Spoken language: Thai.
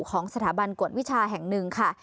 ของสถาบันกวดวิชาแห่งหนึ่งค่ะ